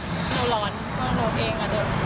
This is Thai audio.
หนูร้อนร้อนหนูเองอ่ะเดี๋ยว